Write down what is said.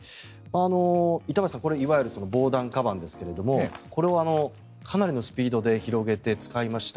板橋さん、これはいわゆる防弾かばんですがこれをかなりのスピードで広げて使いました。